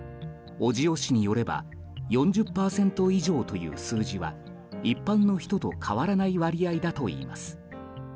小塩氏によれば４０％以上という数字は一般の人と変わらない割合だといいます。